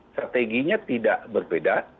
strateginya tidak berbeda